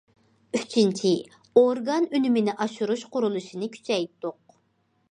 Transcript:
ئۈچىنچى، ئورگان ئۈنۈمىنى ئاشۇرۇش قۇرۇلۇشىنى كۈچەيتتۇق.